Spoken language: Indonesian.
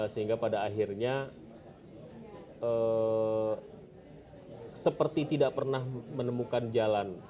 sehingga pada akhirnya seperti tidak pernah menemukan jalan